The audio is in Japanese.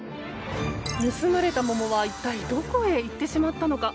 盗まれた桃は、一体どこへ行ってしまったのか。